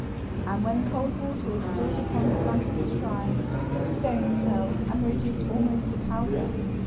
And when cold water was poured upon the front of the shrine, the stones fell, and were reduced almost to powder.